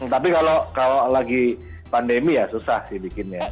tapi kalau lagi pandemi ya susah sih bikinnya